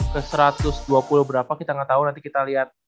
ke satu ratus dua puluh berapa kita gak tau nanti kita liat